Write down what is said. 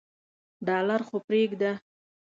ډالر خو پریږده.